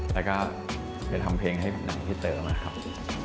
แล้วก็เดี๋ยวทำเพลงให้หนังพี่เต๋อมาครับ